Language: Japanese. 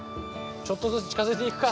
ちょっとずつ近づいていくか。